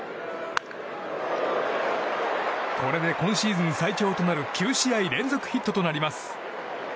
これで今シーズン最長となる９試合連続ヒットとなります。